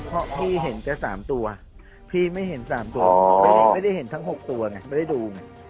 เพราะพี่เห็นแค่๓ตัวพี่ไม่เห็น๓ตัวไม่ได้เห็นทั้ง๖ตัวไงไม่ได้ดูไง